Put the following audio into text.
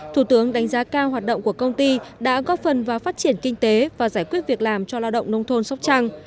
thủ tướng đánh giá cao hoạt động của công ty đã góp phần vào phát triển kinh tế và giải quyết việc làm cho lao động nông thôn sóc trăng